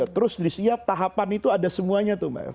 terus di setiap tahapan itu ada semuanya